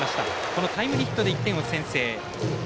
このタイムリーヒットで１点を先制。